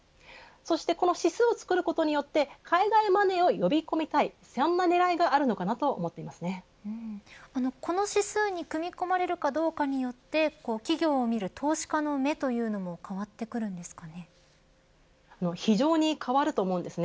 そしてこの指数をつくることによって海外マネーを呼び込みたいそんな狙いがこの指数に組み込まれるかどうかによって企業を見る投資家の目というのも非常に変わると思います。